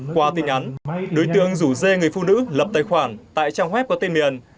qua tin nhắn đối tượng rủ dê người phụ nữ lập tài khoản tại trang web có tên miền